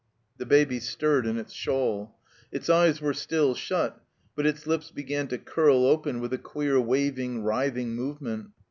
The Baby stirred in its shawl. Its eyes were still shut, but its lips began to curl open with a queer waving, writhing movement.